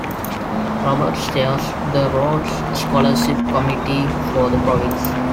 Roberts chairs the Rhodes Scholarship committee for the province.